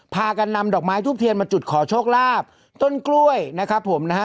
พากันนำดอกไม้ทูบเทียนมาจุดขอโชคลาภต้นกล้วยนะครับผมนะฮะ